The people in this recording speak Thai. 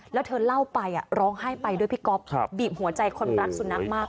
แล้วเธอเล่าไปร้องไห้ไปด้วยพี่ก๊อฟบีบหัวใจคนรักสุนัขมาก